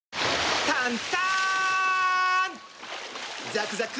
ザクザク！